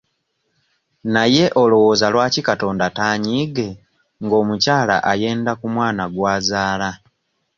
Naye olowooza lwaki Katonda taanyiige ng'omukyala ayenda ku mwana gw'azaala?